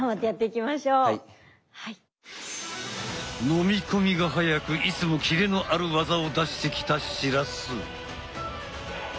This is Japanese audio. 飲み込みが早くいつもキレのある技を出してきた白洲。